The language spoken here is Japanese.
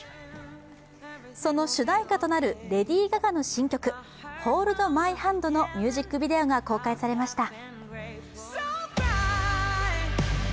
その主題歌となるレディー・ガガの新曲、「ＨｏｌｄＭｙＨａｎｄ」のミュージックビデオが公開されました。